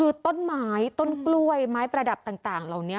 คือต้นไม้ต้นกล้วยไม้ประดับต่างเหล่านี้